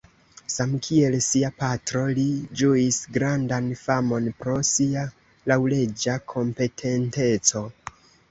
Samkiel sia patro, li ĝuis grandan famon pro sia laŭleĝa kompetenteco.